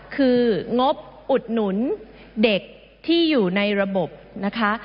คืองบอุดหนุนเด็กที่อยู่ในระบบนะคะ